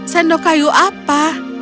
sendok kayu apa